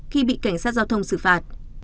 khi bị cảnh sát giao thông xử phạt